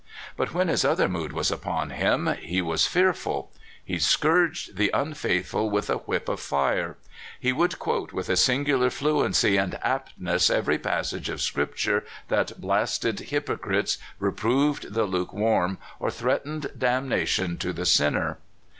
But when his other mood was upon him, he was fear ful. He scourged the unfaithful wath a whip of fire. He would quote with a singular fluency and aptness every passage of Scripture that blasted hypocrites, reproved the lukewarm, or threatened damnation to the sinner.